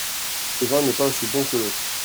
Ce vin n'est pas aussi bon que l'autre.